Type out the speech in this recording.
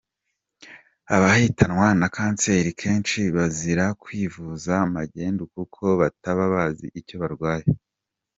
Abahitanwa na kanseri kenshi bazira kwivuza magendu kuko bataba bazi icyo barwaye”.